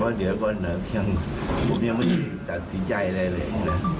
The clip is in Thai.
เพราะเดี๋ยวก่อนผมยังไม่ได้ตัดสินใจอะไรเลย